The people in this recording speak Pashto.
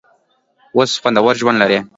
اوس خوندور ژوند لري.